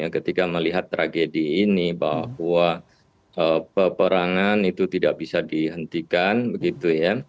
ketika melihat tragedi ini bahwa peperangan itu tidak bisa dihentikan begitu ya